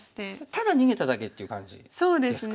ただ逃げただけっていう感じですか。